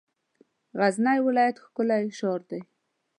غزنی ولایت ښکلی شار دی.